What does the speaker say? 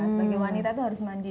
sebagai wanita itu harus mandi